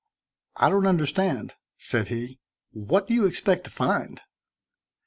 "I don't understand," said he. "What do you expect to find?"